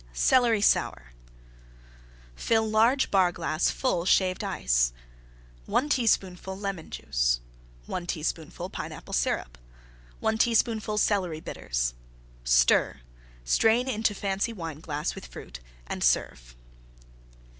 CELERY SOUR Fill large Bar glass full Shaved Ice. 1 teaspoonful Lemon Juice. 1 teaspoonful Pineapple Syrup. 1 teaspoonful Celery Bitters. Stir; strain into Fancy Wineglass with Fruit and serve.